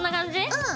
うん。